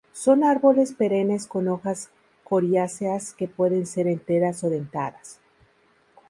Son árboles perennes con hojas coriáceas que pueden ser enteras o dentadas.